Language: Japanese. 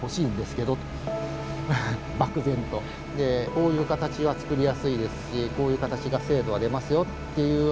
こういう形は作りやすいですしこういう形が精度は出ますよっていうようなことを。